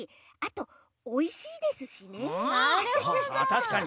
たしかに！